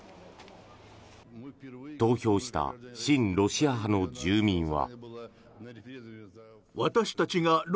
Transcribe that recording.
投票した親ロシア派の住民は。